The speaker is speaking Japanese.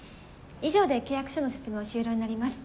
以上で契約書の説明は終了になります。